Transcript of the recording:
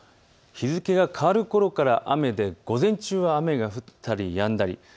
日付が変わるころから雨で午前中は雨が降ったりやんだり。